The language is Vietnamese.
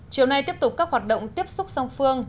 chiều nay tiếp tục các hoạt động tiếp xúc song phương